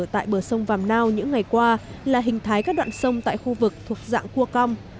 tại bờ sông vàm nao những ngày qua là hình thái các đoạn sông tại khu vực thuộc dạng cua cong